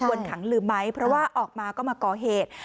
วันขังลืมไหมเพราะว่าออกมาก็มาก่อเหตุ